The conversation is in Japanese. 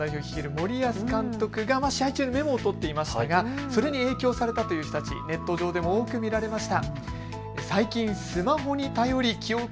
森保監督が試合中にメモをとっていましたがそれに影響された人たち、ネット上でも多く見られました。